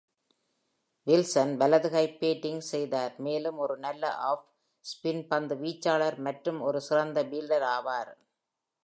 Wilson வலது கை batting செய்தார், மேலும் ஒரு நல்ல ஆஃப்-ஸ்பின் பந்து வீச்சாளர் மற்றும் ஒரு சிறந்த பீல்டர் ஆவார்.